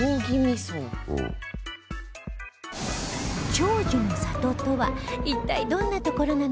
長寿の里とは一体どんな所なのか？